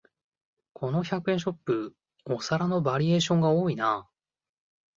この百円ショップ、お皿のバリエーションが多いな